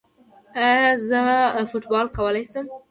ایا زه فوټبال کولی شم؟